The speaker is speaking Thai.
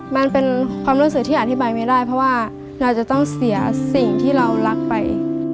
มันเป็นความรู้สึกที่อธิบายไม่ได้เพราะว่าเราจะต้องเสียสิ่งที่เรารักไป